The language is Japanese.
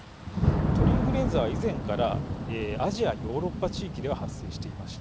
鳥インフルエンザは以前からアジアヨーロッパ地域では発生していました。